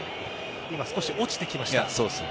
今、少し落ちてきました。